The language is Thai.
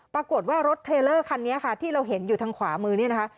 ปรากฏว่ารถเทลเลอร์คันนี้ค่ะที่เราเห็นอยู่ทางขวามือเนี่ยนะคะ